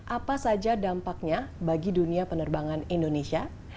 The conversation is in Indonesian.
apa saja dampaknya bagi dunia penerbangan indonesia